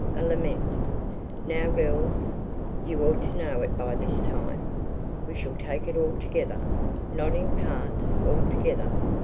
'A Lament.' Now, girls, you ought to know it by this time. We shall take it all together; not in parts, all together.